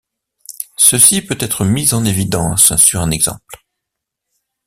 Ceci peut être mis en évidence sur un exemple.